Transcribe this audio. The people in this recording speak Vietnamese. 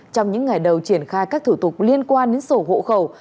trong những ngày đầu triển khai các thủ tục liên quan đến sổ hộ khẩu